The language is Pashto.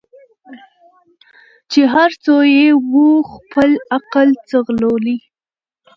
چي هر څو یې وو خپل عقل ځغلولی